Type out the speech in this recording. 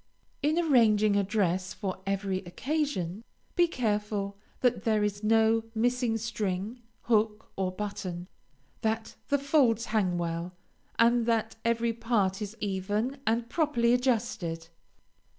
In arranging a dress for every occasion, be careful that there is no missing string, hook, or button, that the folds hang well, and that every part is even and properly adjusted.